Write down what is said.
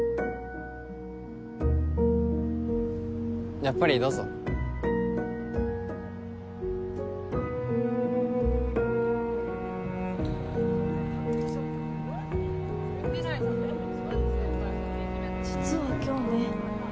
やっぱりどうぞ実は今日ね